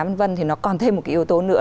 v v thì nó còn thêm một cái yếu tố nữa